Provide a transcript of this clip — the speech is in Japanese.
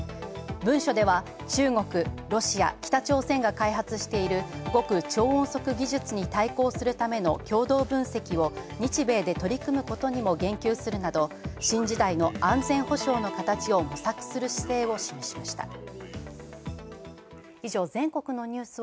文書では中国、ロシア、北朝鮮が開発している極超音速技術に対抗するための共同分析を日米で取り組むことにも言及するなど新時代の安全保障の形を模索する姿勢を示しました。